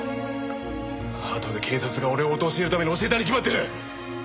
あとで警察が俺を陥れるために教えたに決まってる！